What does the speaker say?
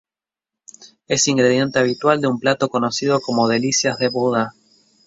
Es ingrediente habitual de un plato conocido como Delicias de Buda.